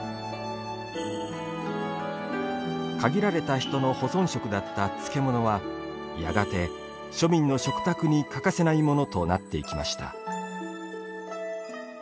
限られた人の保存食だった漬物はやがて、庶民の食卓に欠かせないものとなっていきました。